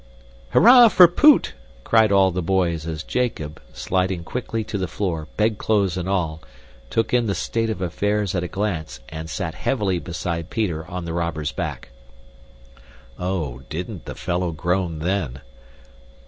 "Hurrah for Poot!" cried all the boys as Jacob, sliding quickly to the floor, bedclothes and all, took in the state of affairs at a glance and sat heavily beside Peter on the robber's back. Oh, didn't the fellow groan then!